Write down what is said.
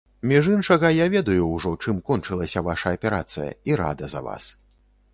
Між іншага, я ведаю ўжо, чым кончылася ваша аперацыя, і рада за вас.